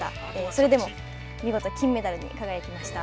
それでも見事、金メダルに輝きました。